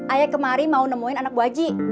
ayah kemarin mau nemuin anak bu haji